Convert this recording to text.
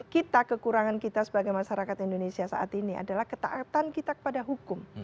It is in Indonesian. kita kekurangan kita sebagai masyarakat indonesia saat ini adalah ketaatan kita kepada hukum